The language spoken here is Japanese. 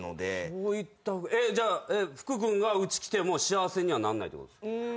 そういった福じゃあ福君がうち来ても幸せにはなんないってことですか？